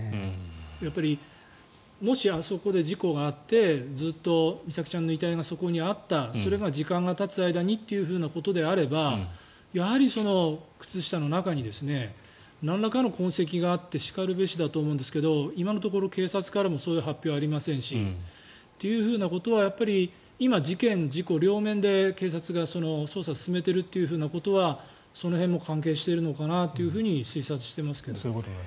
やっぱりもし、あそこで事故があってずっと美咲ちゃんの遺体がそこにあったそれが時間がたつ間にということであればやはり靴下の中になんらかの痕跡があってしかるべしだと思いますが今のところ警察からもそういう発表はありませんしということで今、事件・事故両面で警察が捜査を進めているということはその辺も関係しているのかなと推察していますが。